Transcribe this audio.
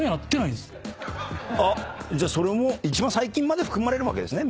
じゃあ一番最近まで含まれるわけですね